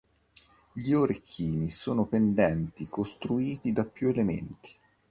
Gli orecchini sono pendenti costituiti da più elementi.